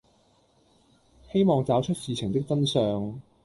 希望找出事情的真相